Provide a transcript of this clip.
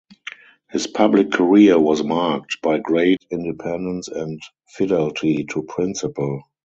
His public career was marked by great independence and fidelity to principle.